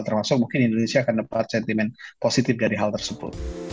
termasuk mungkin indonesia akan dapat sentimen positif dari hal tersebut